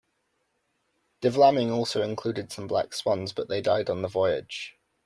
De Vlamingh also included some black swans, but they died on the voyage.